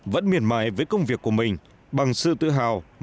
vẫn miền mái với công việc của mình bằng sự tự hào và trách nhiệm lớn lao